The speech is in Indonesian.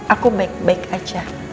aku baik baik aja